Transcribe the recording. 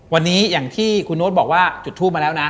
วันนี้อย่างที่คุณโน๊ตบอกว่าจุดทูปมาแล้วนะ